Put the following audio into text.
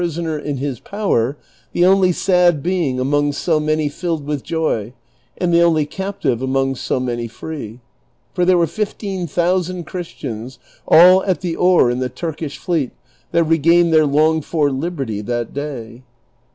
333 oner in his power, the only sad being among so many filled with joy, and the only captive among so many free ; for there were lifteen thousand Christians, all at the oar in the Turkish fleet, that regained their longed for liberty that day.